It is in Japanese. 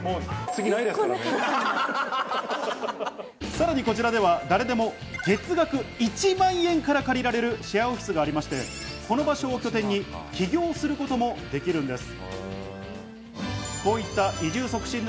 さらに、こちらでは誰でも月額１万円から借りられるシェアオフィスがありまして、この場所を拠点に起業することもできるんです。